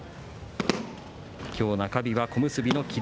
きょう中日は小結の霧